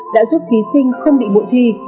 đã giúp thí sinh không bị bụi thi